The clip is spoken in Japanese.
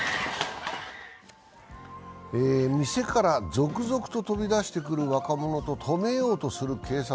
店から続々と飛び出してくる若者と止めようとする警察。